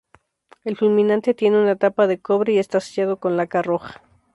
El fulminante tiene una tapa de cobre y está sellado con laca roja.